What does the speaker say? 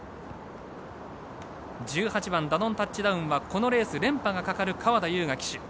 １８番ダノンタッチダウンはこのレース、連覇がかかる川田将雅騎手。